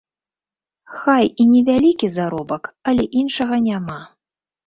Хай і невялікі заробак, але іншага няма.